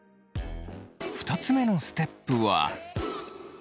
２つ目のステップは。